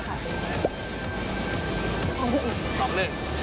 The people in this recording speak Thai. ทั้งหนึ่ง